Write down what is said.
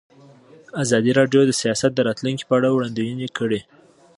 ازادي راډیو د سیاست د راتلونکې په اړه وړاندوینې کړې.